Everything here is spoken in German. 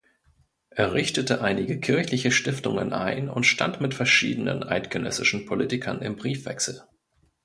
Er richtete einige kirchliche Stiftungen ein und stand mit verschiedenen eidgenössischen Politikern im Briefwechsel.